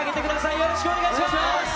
よろしくお願いします。